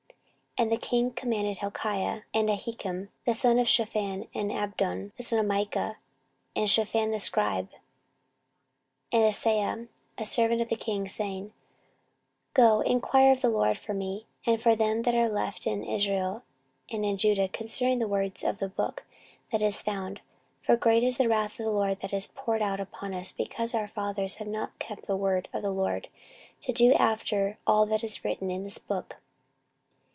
14:034:020 And the king commanded Hilkiah, and Ahikam the son of Shaphan, and Abdon the son of Micah, and Shaphan the scribe, and Asaiah a servant of the king's, saying, 14:034:021 Go, enquire of the LORD for me, and for them that are left in Israel and in Judah, concerning the words of the book that is found: for great is the wrath of the LORD that is poured out upon us, because our fathers have not kept the word of the LORD, to do after all that is written in this book.